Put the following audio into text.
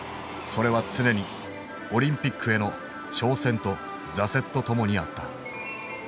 それは常にオリンピックへの挑戦と挫折と共にあった。